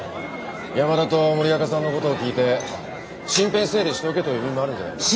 山田と森若さんのことを聞いて身辺整理しておけという意味もあるんじゃないか？